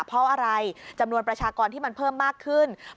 เพราะอะไรจำนวนประชากรที่มันเพิ่มมากขึ้น